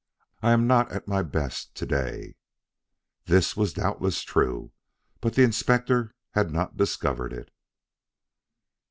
I am not at my best to day." This was doubtless true, but the Inspector had not discovered it.